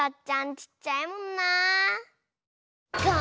ちっちゃいもんな！